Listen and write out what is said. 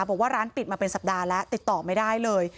บอกว่าร้านปิดมาเป็นสัปดาห์แล้วติดต่อไม่ได้เลย